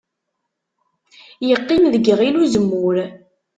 Iqqim deg yiɣil n uzemmur.